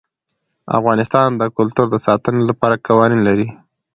افغانستان د کلتور د ساتنې لپاره قوانین لري.